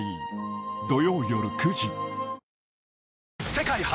世界初！